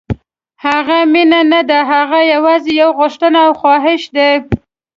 هغه مینه نه ده، هغه یوازې یو غوښتنه او خواهش دی.